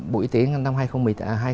bộ y tế năm hai nghìn một mươi tám